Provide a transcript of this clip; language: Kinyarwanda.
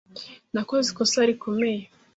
Nakoze ikosa rikomeye.